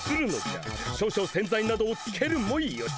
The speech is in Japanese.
少々洗剤などをつけるもよし。